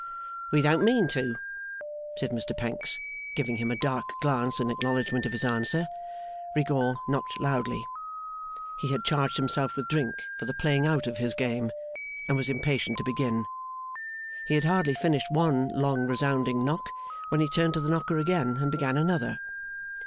'We don't mean to,' said Mr Pancks. Giving him a dark glance in acknowledgment of his answer, Rigaud knocked loudly. He had charged himself with drink, for the playing out of his game, and was impatient to begin. He had hardly finished one long resounding knock, when he turned to the knocker again and began another.